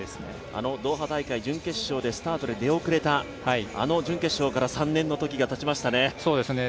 あのドーハ大会、準決勝のスタートで出遅れた、あの準決勝から３年の時がたちましたね。